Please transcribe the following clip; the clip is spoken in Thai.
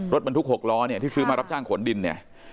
รถบรรทุก๖ล้อเนี่ยที่ซื้อมารับจ้างขนดินเนี่ย